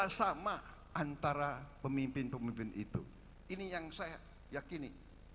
sama antara pemimpin pemimpin itu ini yang saya yakini